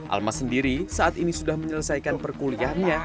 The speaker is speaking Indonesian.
almas sendiri saat ini sudah menyelesaikan perkuliahannya